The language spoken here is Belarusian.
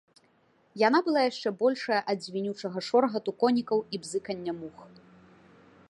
Яна была яшчэ большая ад звінючага шоргату конікаў і бзыкання мух.